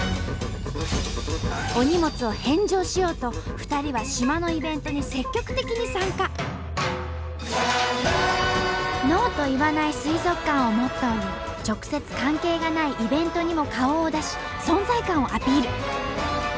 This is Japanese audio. お荷物を返上しようと２人は島のイベントに積極的に参加。をモットーに直接関係がないイベントにも顔を出し存在感をアピール。